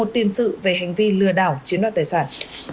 một tiền sự về hành vi lừa đảo chiến đoàn tài sản